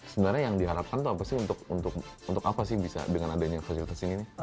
sebenarnya yang diharapkan tuh apa sih untuk apa sih bisa dengan adanya fasilitas ini